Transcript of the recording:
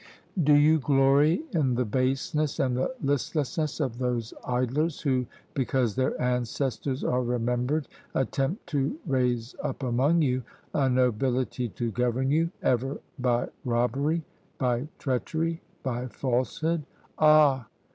Do you glory in the baseness and the listlessness of those idlers, who, because their ancestors are remembered, attempt to raise up among you a nobility to govern you, ever by robbery, by treachery, by falsehood! Ah!